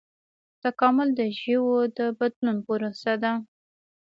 تکامل د ژویو د بدلون پروسه ده